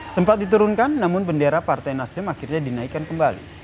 sempat diturunkan namun bendera partai nasdem akhirnya dinaikkan kembali